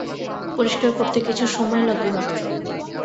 পরিষ্কার করতে কিছু সময় লাগবে মাত্র।